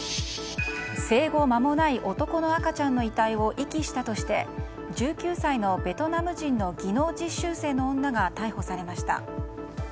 生後間もない男の赤ちゃんの遺体を遺棄したとして１９歳のベトナム人の技能実習生の女が逮捕されました。